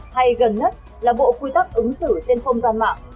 hay gần nhất là bộ quy tắc ứng xử trên không gian mạng